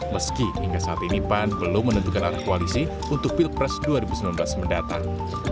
meski hingga saat ini pan belum menentukan arah koalisi untuk pilpres dua ribu sembilan belas mendatang